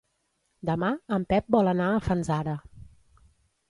Demà en Pep vol anar a Fanzara.